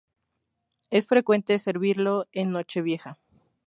Es frecuente servirlo en Nochevieja.